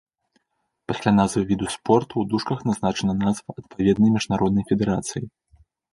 Пасля назвы віду спорту ў дужках назначана назва адпаведнай міжнароднай федэрацыі.